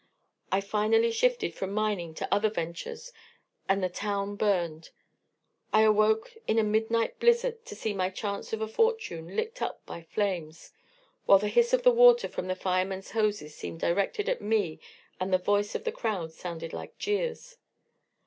I finally shifted from mining to other ventures, and the town burned. I awoke in a midnight blizzard to see my chance for a fortune licked up by flames, while the hiss of the water from the firemen's hose seemed directed at me and the voice of the crowd sounded like jeers.